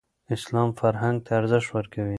اسلام فرهنګ ته ارزښت ورکوي.